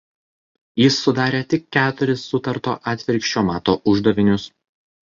Jis sudarė tik keturis sutarto atvirkščio mato uždavinius.